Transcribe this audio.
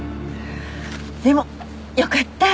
でもよかった！